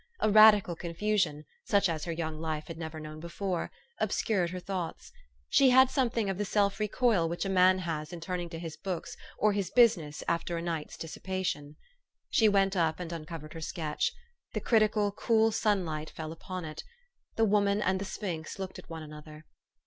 A radical confusion, such as her young life had never known before, obscured her thoughts. She had something of the self recoil which a man has in turning to his books or his business after a night's dissipation. She went up and uncovered her sketch. The criti cal, cool sunlight fell upon it. The woman and the sphinx looked at one another.